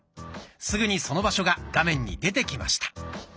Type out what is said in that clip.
すぐにその場所が画面に出てきました。